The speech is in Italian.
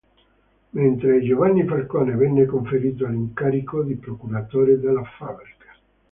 Mentre a Giovanni Falcone venne conferito l'incarico di Procuratore della Fabbrica.